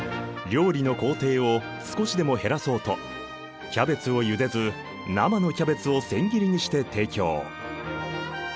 料理の工程を少しでも減らそうとキャベツをゆでず生のキャベツを千切りにして提供。